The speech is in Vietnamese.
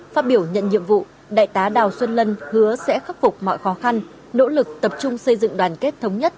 phát biểu nhận nhiệm vụ đại tá đào xuân lân hứa sẽ khắc phục mọi khó khăn nỗ lực tập trung xây dựng đoàn kết thống nhất